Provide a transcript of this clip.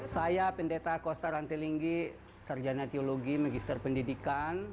saya pendeta kosta rantilingi sarjana teologi magister pendidikan